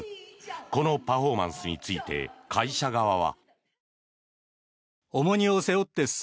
このパフォーマンスについて会社側は。